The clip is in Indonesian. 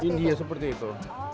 di india seperti itu